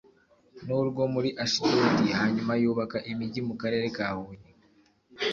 n urwo muri ashidodi hanyuma yubaka imigi mu karere ka huye